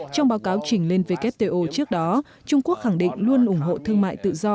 trong báo cáo trình lên wto trước đó trung quốc khẳng định luôn ủng hộ thương mại tự do